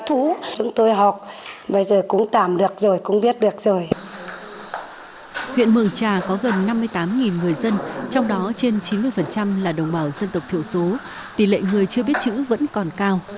huyện mường trà có gần năm mươi tám người dân trong đó trên chín mươi là đồng bào dân tộc thiểu số tỷ lệ người chưa biết chữ vẫn còn cao